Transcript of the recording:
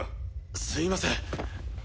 すいません。